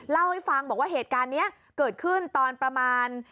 เล่าให้ฟังบอกว่าเหตุการณ์นี้เกิดขึ้นตอนประมาณ